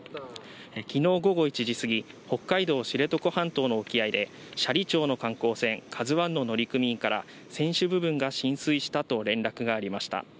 昨日午後１時過ぎ、北海道知床半島の沖合で斜里町の観光船・ＫＡＺＵ１の乗組員から船首部分が浸水したと連絡がありました。